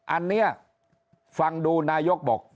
อันนี้ฟังดูนายกบอก